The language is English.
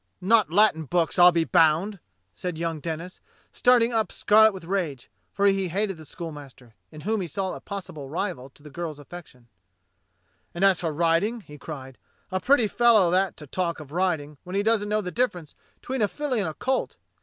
"Not Latin books, I'll be bound," said young Denis, starting up scarlet with rage, for he hated the school master, in whom he saw a possible rival to the girl's 18 DOCTOR SYN affection. "And as for riding," he cried, "a pretty fellow that to talk of riding, when he doesn't know the difference 'tween a filly and a colt.